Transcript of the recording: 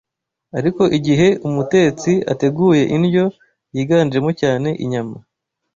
Ariko igihe umutetsi ateguye indyo yiganjemo cyane inyama